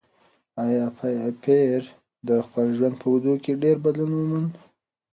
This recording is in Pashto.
ایا پییر د خپل ژوند په اوږدو کې ډېر بدلون وموند؟